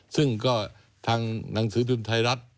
ซึ่งก็ทางหนังสือดุลไทยรัฐ